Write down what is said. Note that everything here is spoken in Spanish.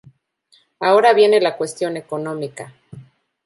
Ahora viene la cuestión económica.